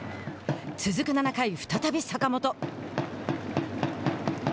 続く７回、再び坂本。